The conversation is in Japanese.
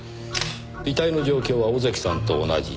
遺体の状況は小関さんと同じ。